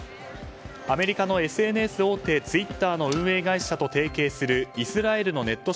アメリカのＳＮＳ大手ツイッターの運営会社と提携するイスラエルのネット